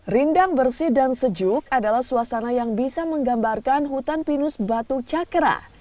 rindang bersih dan sejuk adalah suasana yang bisa menggambarkan hutan pinus batu cakera